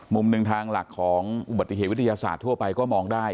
มุมหนึ่งทางหลักของอุบัติเหตุวิทยาศาสตร์ทั่วไปก็มองได้